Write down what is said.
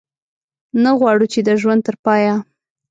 نه غواړو چې د ژوند تر پایه.